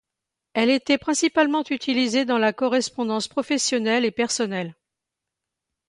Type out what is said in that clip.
Elle était principalement utilisée dans la correspondance professionnelle et personnelle.